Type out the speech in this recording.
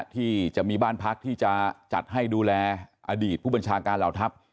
ที่จะมีบ้านพักที่จะจัดให้ดูแลอดีตผู้บัญชาการเหล่าทัพ